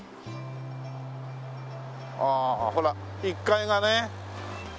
ああほら１階がね。